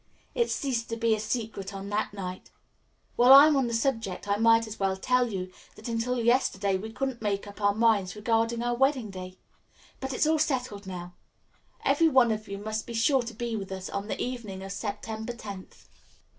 "It ceased to be a secret on that night. While I am on the subject I might as well add that until yesterday we couldn't make up our minds regarding our wedding day. But it's all settled now. Every one of you must be sure to be with us on the evening of September tenth."